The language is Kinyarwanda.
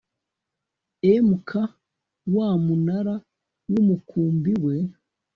mk wa munara w umukumbi we